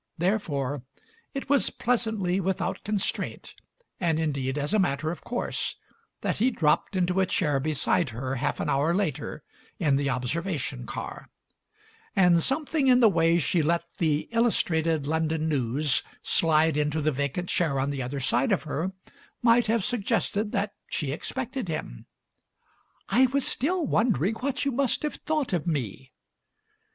Therefore it was pleasantly without constraint, and indeed as a matter of course, that he dropped into a chair beside her half an hour later, in the observation car; and something in the way she let the Illustrated London News slide into the vacant chair on the other side of her might have suggested that she expected him. "I was still wondering what you must have thought of me."